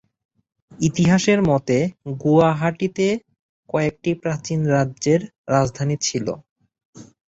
ইতিহাসের মতে গুয়াহাটিতে কয়েকটি প্রাচীন রাজ্যের রাজধানী ছিল।